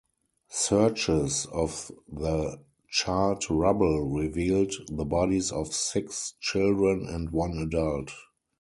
Searches of the charred rubble revealed the bodies of six children and one adult.